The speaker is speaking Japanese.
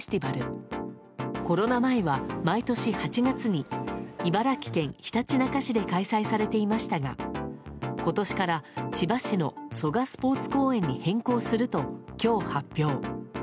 コロナ前は毎年８月に茨城県ひたちなか市で開催されていましたが今年から千葉市の蘇我スポーツ公園に変更すると今日、発表。